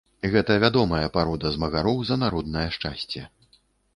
Гэта вядомая парода змагароў за народнае шчасце.